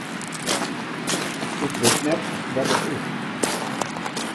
Ik wit net wat it is.